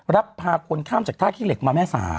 รับพาคนข้ามจากท่าขี้เหล็กมาแม่สา